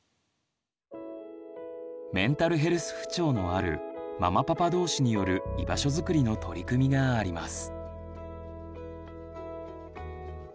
メンタルヘルス不調のあるママパパ同士による居場所づくりの取り組みがあります。